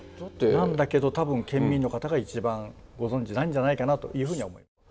なんだけど多分県民の方が一番ご存じないんじゃないかなというふうに思います。